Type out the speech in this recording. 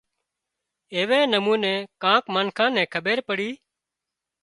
ايوي نموني ڪانڪ منکان نين کٻير پڙي